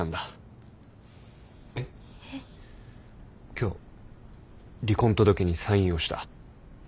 今日離婚届にサインをした。